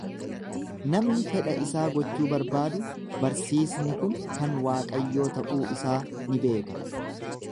Namni fedha isaa gochuu barbaadu, barsiisni kun kan Waaqayyoo ta’uu isaa ni beeka.